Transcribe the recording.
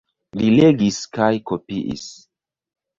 Li legis kaj kopiis.